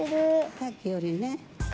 さっきよりね。